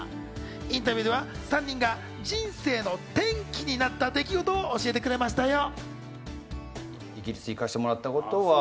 インタビューでは３人が人生の転機になった出来事を教えてくれましたよ。